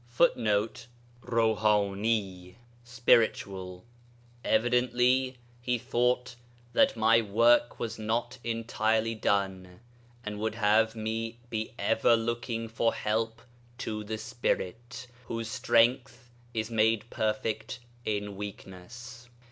[Footnote: Ruḥani ('spiritual').] Evidently he thought that my work was not entirely done, and would have me be ever looking for help to the Spirit, whose 'strength is made perfect in weakness.'